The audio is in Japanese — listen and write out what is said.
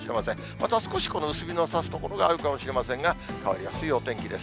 また少し薄日のさす所があるかもしれませんが、変わりやすいお天気です。